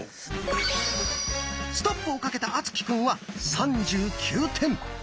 ストップをかけた敦貴くんは３９点。